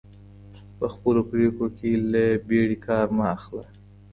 په خپلو پرېکړو کي له بیړې کار مه اخله.